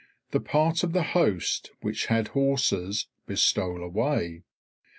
The part of the host which had horses "bestole away."